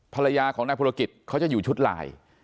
ภรรยาของนายภูรกิจเขาจะอยู่ชุดลาย